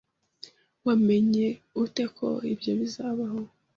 Wamenye ute ko ibyo bizabaho?